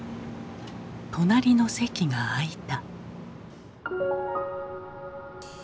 隣の席が空いた。